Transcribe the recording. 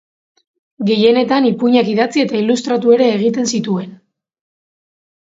Gehienetan ipuinak idatzi eta ilustratu ere egiten zituen.